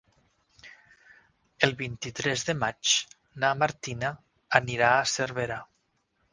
El vint-i-tres de maig na Martina anirà a Cervera.